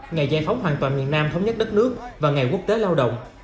ngày giải phóng hoàn toàn miền nam thống nhất đất nước và ngày quốc tế lao động